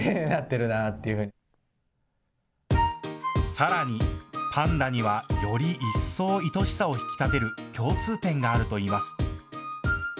さらにパンダにはより一層いとしさを引き立てる共通点があるといいます。